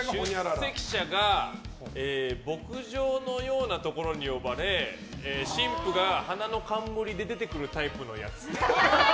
出席者が牧場のようなところに呼ばれ新婦が花の冠で出てくるタイプのやつ。